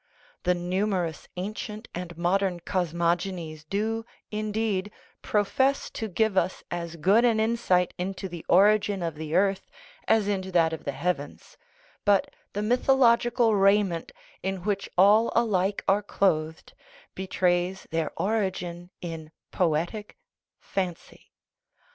The numerous ancient and modern cosmogonies do, indeed, profess to give us as good an insight into the origin of the earth as into that of the heavens ; but the mythological raiment, in which all alike are clothed, betrays their origin in poetic fancy.